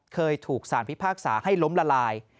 เคยถูกสารพิพากษาให้ล้มละลาย